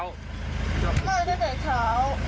ตั้งแต่เช้า